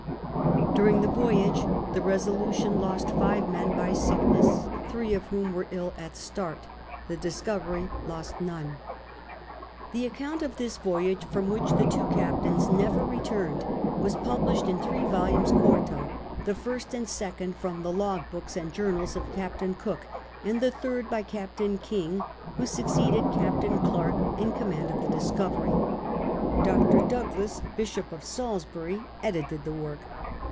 During the voyage the Resolution lost five men by sick ness three of whom were ill at start. The Discovery lost none. CAPTAIN COOK OHAP. ii8 The, account of this voyage, from which the two captains never returned, was published in three volumes quarto, the first and second from the log books and journals of Captain Cook, and the third by Captain King,, who succeeded Captain Clerke in command of the J5is mmry. Dr. Douglas, Bishop of Salisbury, edited the work.